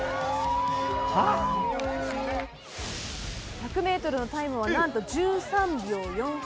１００ｍのタイムは何と１３秒４８。